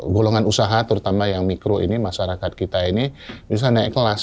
golongan usaha terutama yang mikro ini masyarakat kita ini bisa naik kelas